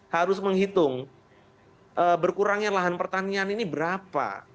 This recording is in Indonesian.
saya ingin menghitung berkurangnya lahan pertanian ini berapa